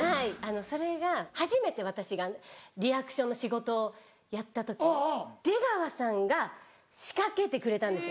それが初めて私がリアクションの仕事をやった時出川さんが仕掛けてくれたんです